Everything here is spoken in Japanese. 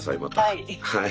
はい。